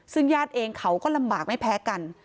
ซึ่งญาติเองเขาก็ลำบากไม่แพ้กัน